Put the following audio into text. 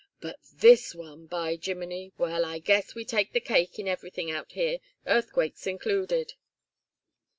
"But this one! By Jiminy! Well, I guess we take the cake in everything out here, earthquakes included."